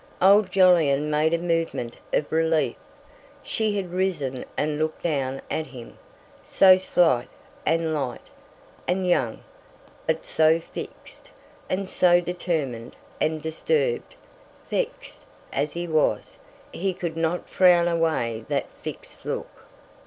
Old Jolyon made a movement of relief. She had risen and looked down at him; so slight, and light, and young, but so fixed, and so determined; and disturbed, vexed, as he was, he could not frown away that fixed look.